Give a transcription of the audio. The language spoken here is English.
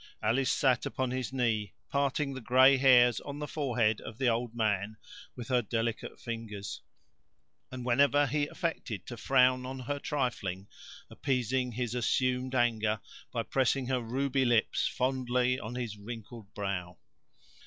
Alice sat upon his knee, parting the gray hairs on the forehead of the old man with her delicate fingers; and whenever he affected to frown on her trifling, appeasing his assumed anger by pressing her ruby lips fondly on his wrinkled brow.